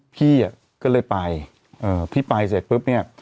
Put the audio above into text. พี่ก็เลยไป